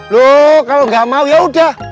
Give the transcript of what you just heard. loh kalau nggak mau ya udah